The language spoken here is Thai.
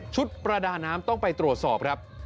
ประดาน้ำต้องไปตรวจสอบครับ